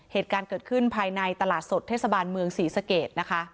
เหตุการณ์เกิดขึ้นภายในตลาดสดเทศบาลเมืองศรีสเกตนะคะ